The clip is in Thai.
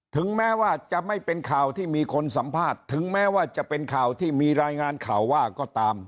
ถึงแม้ว่าจะไม่เป็นข่าวที่มีคนสัมภาษณ์ถึงแม้ว่าจะเป็นข่าวที่มีรายงานข่าวว่าก็ตาม